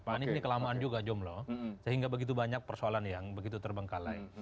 pak anies ini kelamaan juga jomlo sehingga begitu banyak persoalan yang begitu terbengkalai